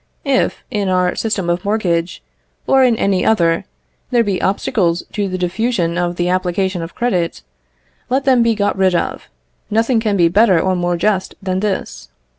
If, in our system of mortgage, or in any other, there be obstacles to the diffusion of the application of credit, let them be got rid of; nothing can be better or more just than this.